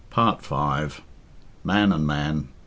PART V. MAN AND MAN.